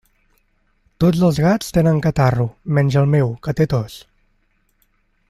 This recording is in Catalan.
Tots els gats tenen catarro, menys el meu, que té tos.